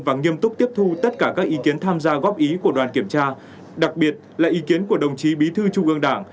và nghiêm túc tiếp thu tất cả các ý kiến tham gia góp ý của đoàn kiểm tra đặc biệt là ý kiến của đồng chí bí thư trung ương đảng